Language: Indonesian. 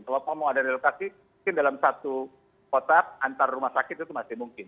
kalau pak mau ada relokasi mungkin dalam satu kotak antar rumah sakit itu masih mungkin